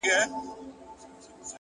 پرمختګ د ثابتو هڅو محصول دی.